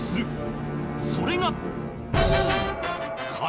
それが